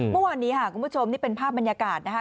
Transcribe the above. เมื่อวานนี้ค่ะคุณผู้ชมนี่เป็นภาพบรรยากาศนะคะ